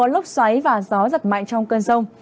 lúc xoáy và gió giật mạnh trong cơn rông